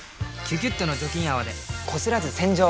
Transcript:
「キュキュット」の除菌泡でこすらず洗浄！